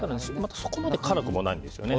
そこまで辛くもないんですよね。